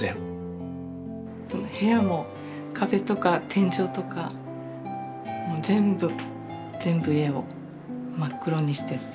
部屋も壁とか天井とかもう全部全部家を真っ黒にして。